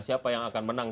siapa yang akan menang